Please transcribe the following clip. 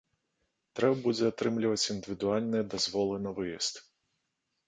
Трэба будзе атрымліваць індывідуальныя дазволы на выезд.